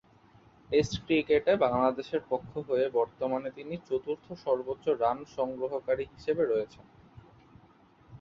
Test ক্রিকেটে বাংলাদেশের পক্ষ হয়ে বর্তমানে তিনি চতুর্থ সর্বোচ্চ রান সংগ্রহকারী হিসেবে রয়েছেন।